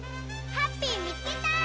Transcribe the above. ハッピーみつけた！